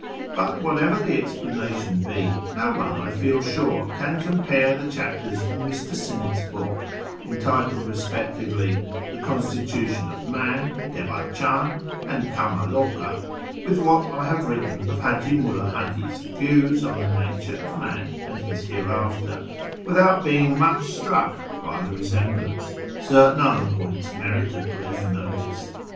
But whatever the explanation be, no one, I fell sure, can compare the chapters in Mr. Sinnett's book, entitled respectively, " The Constitution of Man," " Devachan," and " Kama Loca," with what I have written of Haji ]\Iulla Hadi's views on the Nature of Man and his Hereafter, without being much struck by the I resemblance. ' Certain other points merit a brief notice.